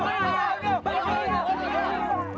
kau sudah diangkat